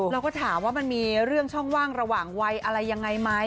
เราก็ถามว่ามันมีเรื่องช่องว่างระหว่างวัยอะไรยังไงไหม